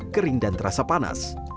kering dan terasa panas